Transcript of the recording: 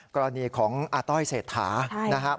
กรณีของอาต้อยเศรษฐานะครับ